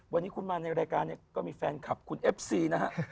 วันนี้คุณมาในรายการเนี่ยก็มีแฟนคลับคุณเอฟซีนะฮะ